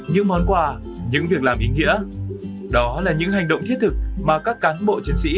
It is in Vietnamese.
những món quà những việc làm ý nghĩa đó là những hành động thiết thực mà các cán bộ chiến sĩ